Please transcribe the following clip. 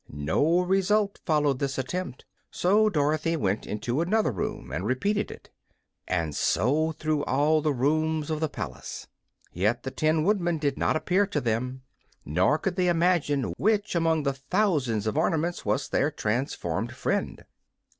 No result followed this attempt, so Dorothy went into another room and repeated it, and so through all the rooms of the palace. Yet the Tin Woodman did not appear to them, nor could they imagine which among the thousands of ornaments was their transformed friend.